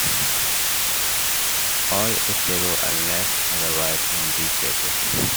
All stereo unless otherwise indicated.